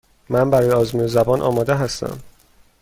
من برای آزمون زبان آماده هستم.